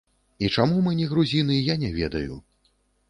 І чаму мы не грузіны, я не ведаю?!